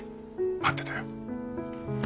待ってたよ。